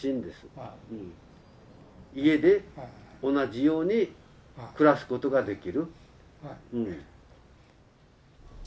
家で同じように暮らすことができる。